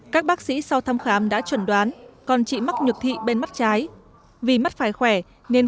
các bác sĩ sau thăm khám đã chuẩn đoán con chị mắc nhược thị bên mắt trái vì mắt phải khỏe nên